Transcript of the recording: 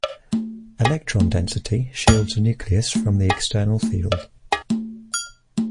Electron density shields a nucleus from the external field.